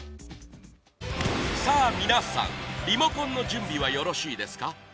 さあ皆さん、リモコンの準備はよろしいですか？